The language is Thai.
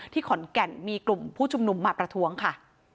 ขอนแก่นมีกลุ่มผู้ชุมนุมมาประท้วงค่ะ